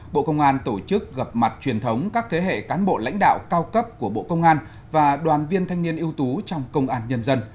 bộ công an tổ chức gặp mặt truyền thống các thế hệ cán bộ lãnh đạo cao cấp của bộ công an và đoàn viên thanh niên ưu tú trong công an nhân dân